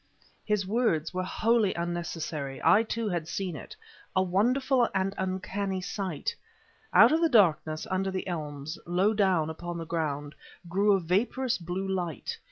His words were wholly unnecessary. I, too, had seen it; a wonderful and uncanny sight. Out of the darkness under the elms, low down upon the ground, grew a vaporous blue light.